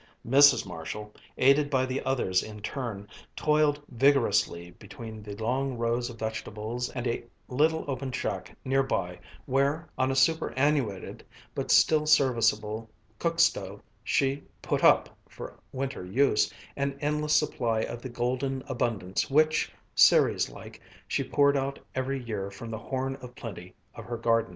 Mrs. Marshall, aided by the others in turn, toiled vigorously between the long rows of vegetables and a little open shack near by, where, on a superannuated but still serviceable cook stove, she "put up," for winter use, an endless supply of the golden abundance which, Ceres like, she poured out every year from the Horn of Plenty of her garden.